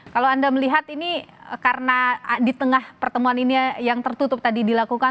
kalau anda melihat ini karena di tengah pertemuan ini yang tertutup tadi dilakukan